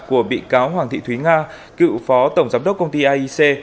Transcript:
của bị cáo hoàng thị thúy nga cựu phó tổng giám đốc công ty aic